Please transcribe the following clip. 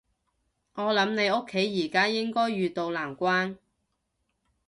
我諗你屋企而家應該遇到難關